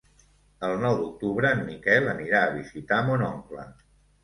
El nou d'octubre en Miquel anirà a visitar mon oncle.